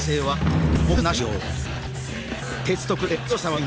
はい！